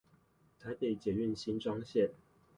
台北捷運新莊線